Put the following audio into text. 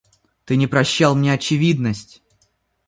Ты не прощал мне очевидность.